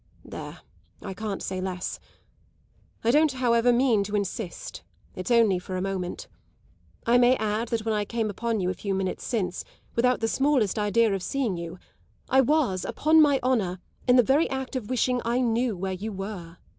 There I can't say less. I don't mean, however, to insist; it's only for a moment. I may add that when I came upon you a few minutes since, without the smallest idea of seeing you, I was, upon my honour, in the very act of wishing I knew where you were."